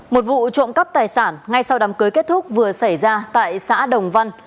một vụ trộm cắp tài sản ngay sau đám cưới kết thúc vừa xảy ra tại xã đồng văn